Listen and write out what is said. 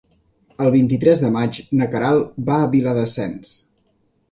El vint-i-tres de maig na Queralt va a Viladasens.